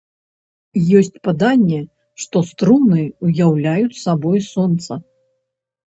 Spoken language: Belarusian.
Ёсць паданне, што струны уяўляюць сабой сонца.